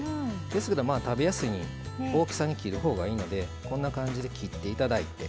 ですけど食べやすい大きさに切るほうがいいのでこんな感じで切って頂いて。